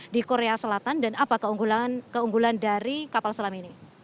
di korea selatan dan apa keunggulan dari kapal selam ini